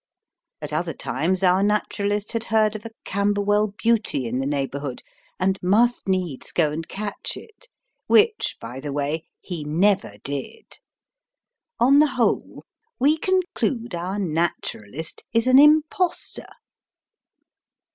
At other times our Naturalist had heard of a "Camberwell Beauty" in the neighbourhood, and must needs go and catch it, which, by the way, he never did. On the whole, we conclude our Naturalist is an impostor.